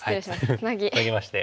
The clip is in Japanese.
つなぎまして。